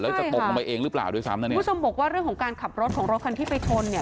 แล้วจะตกลงไปเองหรือเปล่าด้วยซ้ำนะเนี่ยคุณผู้ชมบอกว่าเรื่องของการขับรถของรถคันที่ไปชนเนี่ย